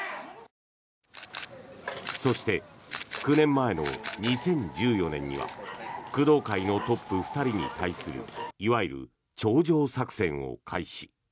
そして、９年前の２０１４年には工藤会のトップ２人に対するいわゆる頂上作戦を開始。